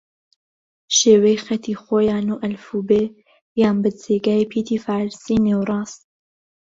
شێوەی خەتی خویان و ئەلفوبێ یان بە جێگای پیتی فارسی نێوەڕاست